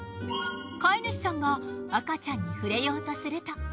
飼い主さんが赤ちゃんに触れようとすると。